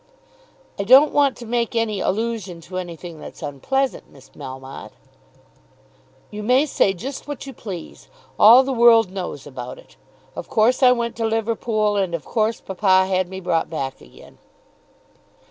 "I don't want to make any allusion to anything that's unpleasant, Miss Melmotte." "You may say just what you please. All the world knows about it. Of course I went to Liverpool, and of course papa had me brought back again."